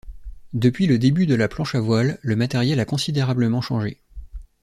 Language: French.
Depuis le début de la planche à voile, le matériel a considérablement changé.